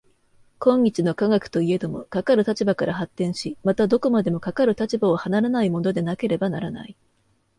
今日の科学といえども、かかる立場から発展し、またどこまでもかかる立場を離れないものでなければならない。